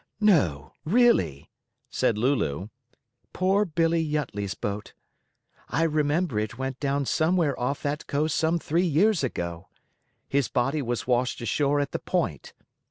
"No! really?" said Lulu; "poor Billy Yuttley's boat. I remember it went down somewhere off that coast some three years ago. His body was washed ashore at the Point.